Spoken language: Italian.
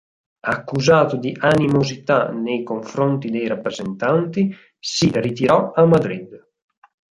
Accusato di animosità nei confronti dei rappresentanti, si ritirò a Madrid.